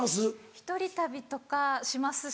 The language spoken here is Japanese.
１人旅とかしますし。